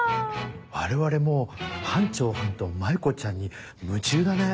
我々もう班長はんと舞子ちゃんに夢中だね。